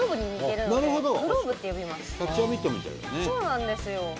そうなんですよ。